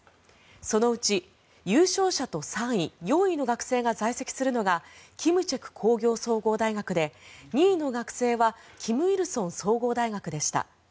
そのうち優勝者と３位、４位の学生が在籍するのが金策工業総合大学で２位の学生は金日成総合大学でした。